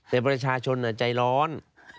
แต่ประชาชนใจร้อน